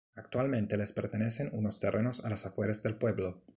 Actualmente les pertenecen unos terrenos a las afueras del pueblo.